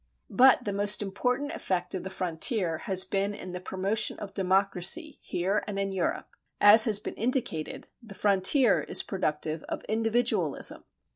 But the most important effect of the frontier has been in the promotion of democracy here and in Europe. As has been indicated, the frontier is productive of individualism.